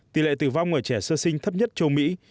tỷ lệ tử vong ở trẻ sơ sinh thấp nhất châu mỹ